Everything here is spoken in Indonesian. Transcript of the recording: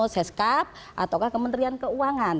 seskap ataukah kementerian keuangan